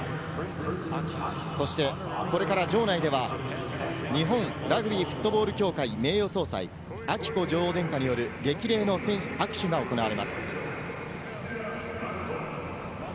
そして、これから場内では日本ラグビーフットボール協会名誉総裁、彬子女王殿下による激励の握手が行われます。